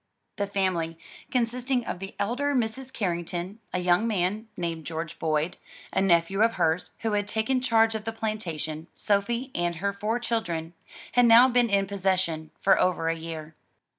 The family, consisting of the elder Mrs. Carrington, a young man, named George Boyd, a nephew of hers who had taken charge of the plantation, Sophie and her four children, had now been in possession for over a year.